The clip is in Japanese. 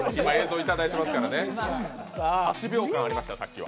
８秒間ありましたよ、さっきは。